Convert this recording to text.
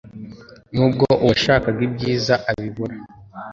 nubwo uwashakaga ibyiza abibura